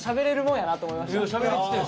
しゃべれてたよ。